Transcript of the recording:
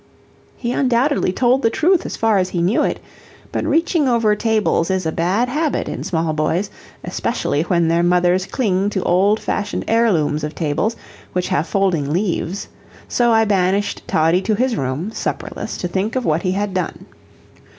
He undoubtedly told the truth as far as he knew it, but reaching over tables is a bad habit in small boys, especially when their mothers cling to old fashioned heirlooms of tables, which have folding leaves; so I banished Toddie to his room, supperless, to think of what he had done.